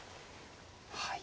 はい。